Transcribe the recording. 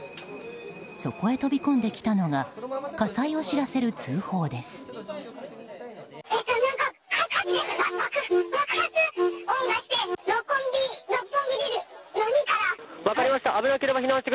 そこへ飛び込んできたのが火災を知らせる通報です。